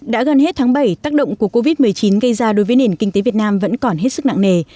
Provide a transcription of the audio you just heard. đã gần hết tháng bảy tác động của covid một mươi chín gây ra đối với nền kinh tế việt nam vẫn còn hết sức nặng nề